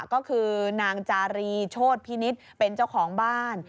ก็คือนางจารีโชธพินิษฐ์เป็นเจ้าของบ้าน